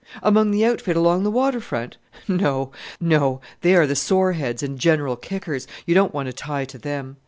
"Among the outfit along the water front? No, they are the sore heads and general kickers. You don't want to tie to them.